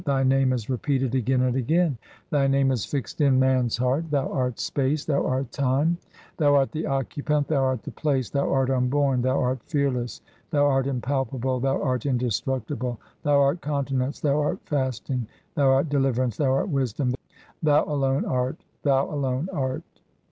Thy name is repeated again and again, Thy name is fixed in man's heart. Thou art space, Thou art time, Thou art the occupant, Thou art the place, Thou art unborn, Thou art fearless, Thou art impalpable, Thou art indestructible, Thou art continence, Thou art fasting, Thou art deliverance, Thou art wisdom, Thou alone art, Thou alone art.